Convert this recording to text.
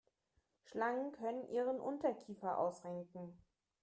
Schlangen können ihren Unterkiefer ausrenken.